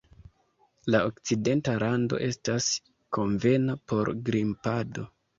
La Okcidenta rando estas konvena por grimpado.